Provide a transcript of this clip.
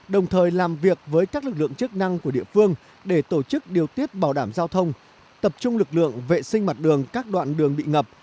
đồng thời làm việc với các lực lượng chức năng của địa phương để tổ chức điều tiết bảo đảm giao thông tập trung lực lượng vệ sinh mặt đường các đoạn đường bị ngập